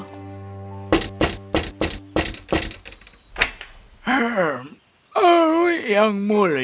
harlow kamu sudah berada di tempat yang baik